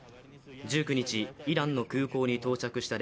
１９日、イランの空港に到着した